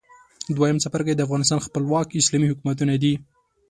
دویم څپرکی د افغانستان خپلواک اسلامي حکومتونه دي.